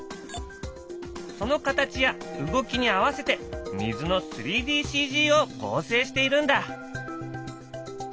その形や動きに合わせて水の３ＤＣＧを合成しているんだ！